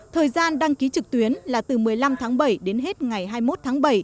thời gian đăng ký trực tuyến là từ một mươi năm tháng bảy đến hết ngày hai mươi một tháng bảy